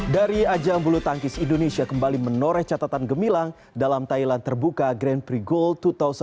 dari ajang bulu tangkis indonesia kembali menoreh catatan gemilang dalam thailand terbuka grand prix gold dua ribu sembilan belas